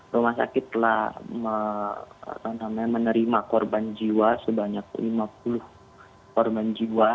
rumah sakit telah menerima korban jiwa sebanyak lima puluh korban jiwa